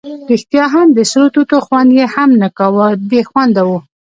ریښتیا هم د سرو توتو خوند یې هم نه کاوه، بې خونده وو.